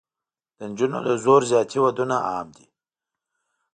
د نجونو د زور زیاتي ودونه عام دي.